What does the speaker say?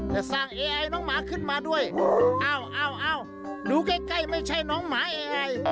จะสร้างเอไอน้องหมาขึ้นมาด้วยเอ้าดูใกล้ใกล้ไม่ใช่น้องหมาแอร์